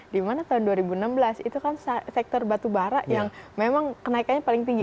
di mana tahun dua ribu enam belas itu kan sektor batu bara yang memang kenaikannya paling tinggi